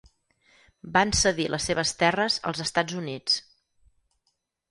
Van cedir les seves terres als Estats Units.